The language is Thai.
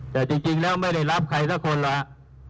แต่จริงแล้วไม่ได้รับใครสักคนหรอก